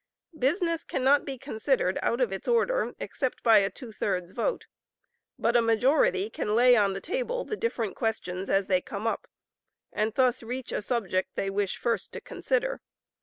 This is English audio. Business cannot be considered out of its order, except by a two thirds vote; but a majority can lay on the table the different questions as they come up, and thus reach a subject they wish first to consider.